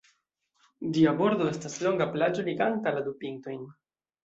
Ĝia bordo estas longa plaĝo liganta la du pintojn.